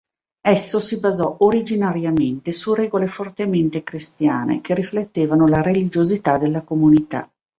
Esso si basò originariamente su regole fortemente cristiane, che riflettevano la religiosità della comunità.